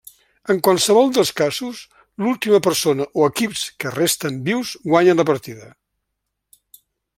En qualsevol dels casos, l'última persona o equips que resten vius guanyen la partida.